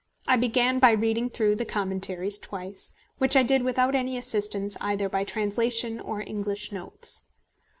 I began by reading through the Commentaries twice, which I did without any assistance either by translation or English notes.